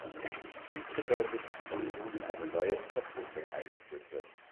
Dies bedeutet, dass nun eine neue Verpflichtung eingeführt wird.